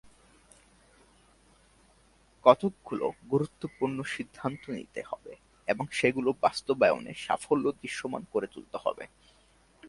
কতকগুলো গুরুত্বপূর্ণ সিদ্ধান্ত নিতে হবে এবং সেগুলো বাস্তবায়নে সাফল্য দৃশ্যমান করে তুলতে হবে।